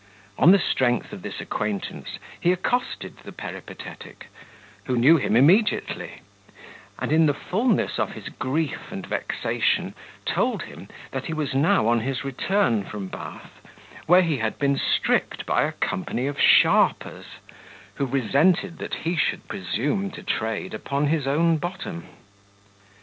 On the strength of this acquaintance, he accosted the peripatetic, who knew him immediately; and, in the fulness of his grief and vexation, told him, that he was now on his return from Bath, where he had been stripped by a company of sharpers, who resented that he should presume to trade upon his own bottom.